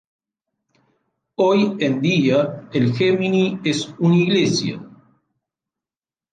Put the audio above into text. Hoy en día, el Gemini es una iglesia.